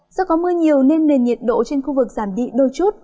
do có mưa nhiều nên nền nhiệt độ trên khu vực giảm đi đôi chút